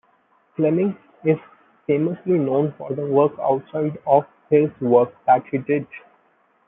Flemming is famously known for the work outside of his work that he did.